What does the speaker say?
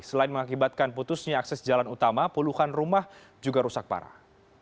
selain mengakibatkan putusnya akses jalan utama puluhan rumah juga rusak parah